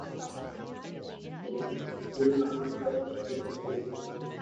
The production of raw silk thread also began.